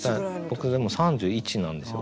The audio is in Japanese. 僕でも３１なんですよ。